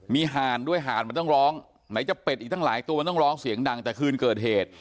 มีห่านด้วยห่านมันต้องร้องไหนจะเป็ดอีกตั้งหลายตัวมันต้องร้องเสียงดังแต่คืนเกิดเหตุ